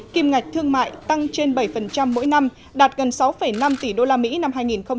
kim ngạch thương mại tăng trên bảy mỗi năm đạt gần sáu năm tỷ usd năm hai nghìn một mươi tám